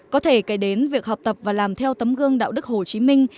có thể kể đến việc học tập và làm theo tấm gương đạo đức hồ chí minh